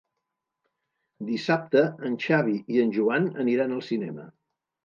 Dissabte en Xavi i en Joan aniran al cinema.